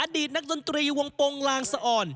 ตนักดนตรีวงปงลางสะอ่อน